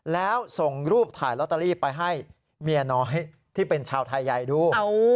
แล้วส่งรูปถ่ายลอตเตอรี่ไปให้เมียน้อยที่เป็นชาวไทยใหญ่ดู